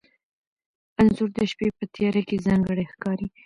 انځور د شپې په تیاره کې ځانګړی ښکاري.